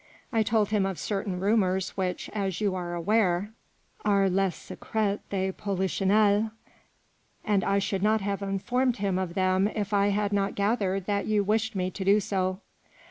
" I told him of certain rumours which, as you are aware, are le secret de Polichinelle, and I should not have informed him of them if I had not gathered that you wished me to do so."